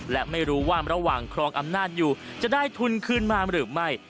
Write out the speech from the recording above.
และไม่รู้ว่าระหว่างครองอำนาจอยู่จะได้ทุนคืนมาหรือไม่